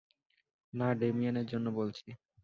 না, ডেমিয়েনের জন্য বলছি।